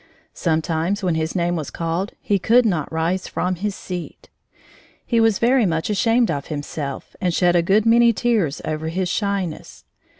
Sometimes, when his name was called, he could not rise from his seat. He was very much ashamed of himself and shed a good many tears over his shyness.